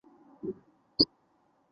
无法阻止地震发生